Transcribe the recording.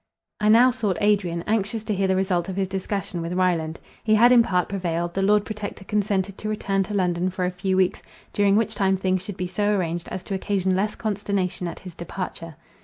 I now sought Adrian, anxious to hear the result of his discussion with Ryland. He had in part prevailed; the Lord Protector consented to return to London for a few weeks; during which time things should be so arranged, as to occasion less consternation at his departure.